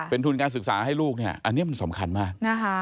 เป็นทุนการศึกษาให้ลูกเนี่ยอันนี้มันสำคัญมากนะคะ